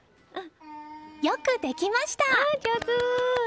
よくできました。